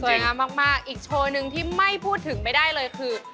งามมากอีกโชว์หนึ่งที่ไม่พูดถึงไม่ได้เลยคือ